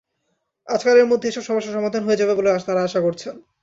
আজকালের মধ্যে এসব সমস্যা সমাধান হয়ে যাবে বলে তাঁরা আশা করছেন।